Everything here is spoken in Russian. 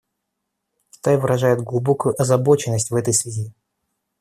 Китай выражает глубокую озабоченность в этой связи.